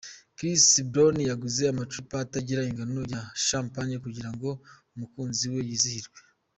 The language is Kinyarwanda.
Chris Brown yaguze amacupa atagira ingano ya Champagne kugira ngo umukunzi we yizihirwe.